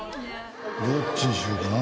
どっちにしようかな。